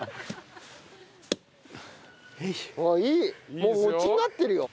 もう餅になってるよ。